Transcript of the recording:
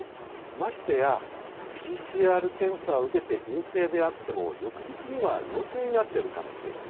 ましてや、ＰＣＲ検査を受けて陰性であっても翌日には陽性になっているかもしれない。